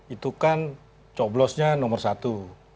itu kan coblosnya nomor satu